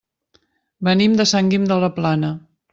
Venim de Sant Guim de la Plana.